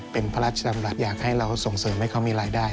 เป็นพระราชดำรัฐอยากให้เราส่งเสริมให้เขามีรายได้